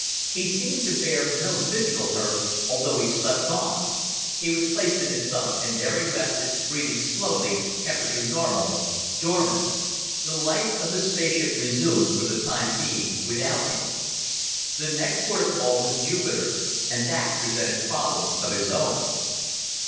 He seemed to bear no physical hurt, although he slept on. He was placed in his bunk, and there he rested, breathing slowly, temperature normal, dormant. The life of the spaceship resumed, for the time being, without him. The next port of call was Jupiter, and that presented problems of its own.